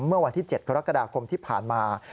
เมื่อวันที่๗กรกฎาคมที่ผ่านมา